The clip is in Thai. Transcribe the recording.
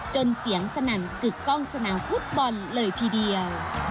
เสียงสนั่นกึกกล้องสนามฟุตบอลเลยทีเดียว